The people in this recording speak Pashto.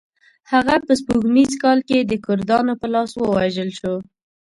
هغه په سپوږمیز کال کې د کردانو په لاس ووژل شو.